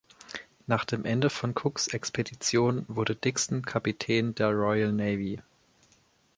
Nach dem Ende von Cooks Expedition wurde Dixon Kapitän in der Royal Navy.